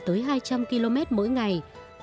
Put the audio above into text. tới hai trăm linh km mỗi ngày